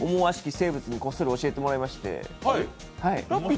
生物にこっそり教えてもらいまして。